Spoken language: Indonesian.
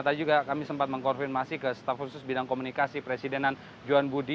tadi juga kami sempat mengkonfirmasi ke staf khusus bidang komunikasi presidenan johan budi